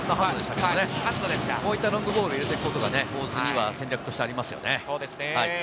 こういったロングボールを入れていくことは、大津としては戦略としてありますね。